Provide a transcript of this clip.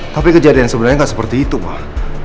tapi kejadian sebenernya gak seperti itu mah